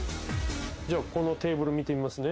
じゃあこのテーブル見てみますね。